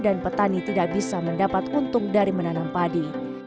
dan petani tidak bisa mendapat untung dari menanam padi